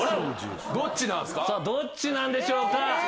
どっちなんでしょうか。